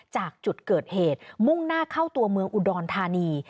จากจุดเกิดเหตุมุ่งหน้าเข้าตัวเมืองอุดรธานี